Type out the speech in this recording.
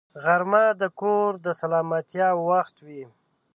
غرمه د کور د سلامتیا وخت وي